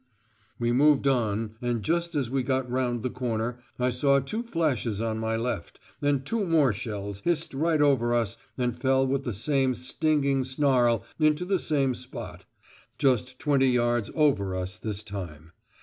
We moved on, and just as we got round the corner I saw two flashes on my left, and two more shells hissed right over us and fell with the same stinging snarl into the same spot, just twenty yards over us this time.